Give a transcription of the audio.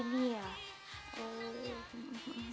urusan jam segini ya